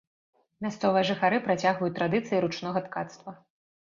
Мясцовыя жыхары працягваюць традыцыі ручнога ткацтва.